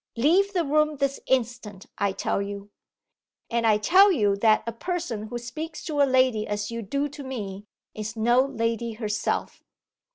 Leave the room this instant, I tell you.' 'And I tell you that a person who speaks to a lady as you do to me, is no lady herself!